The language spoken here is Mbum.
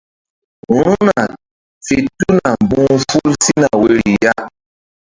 Ru̧hna fe tuna mbu̧h ful sina woyri ya.